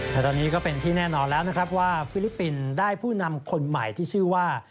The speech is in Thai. แต่ตอนนี้ก็เป็นที่แน่นอนแล้วนะครับว่าฟิลิปปินส์ได้ผู้นำคนใหม่ที่ชื่อว่า